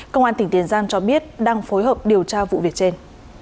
công an tỉnh tiền giang cho biết đang phối hợp điều tra vụ việc trên